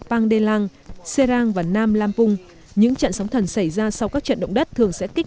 pangdelang serang và nam lampung những trận sóng thần xảy ra sau các trận động đất thường sẽ kích